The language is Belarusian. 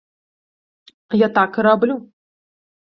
Я так і раблю.